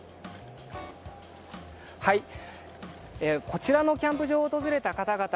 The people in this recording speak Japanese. こちらのキャンプ場を訪れていた方々